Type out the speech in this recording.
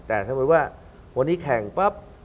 แต่ถ้าสมมุติว่าวันนี้แข่งปั๊บ